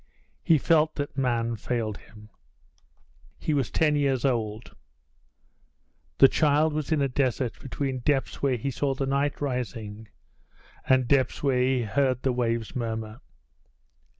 He felt that man failed him. He was ten years old. The child was in a desert, between depths where he saw the night rising and depths where he heard the waves murmur.